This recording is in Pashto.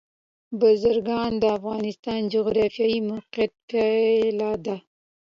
بزګان د افغانستان د جغرافیایي موقیعت پایله ده.